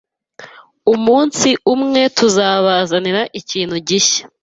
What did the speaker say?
umunsi umwe tuzabazanira ikintu gishya